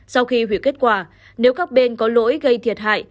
sau khi hủy kết quả nếu các bên có lỗi gây thiệt hại